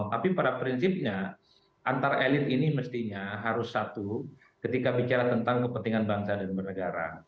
tapi pada prinsipnya antar elit ini mestinya harus satu ketika bicara tentang kepentingan bangsa dan bernegara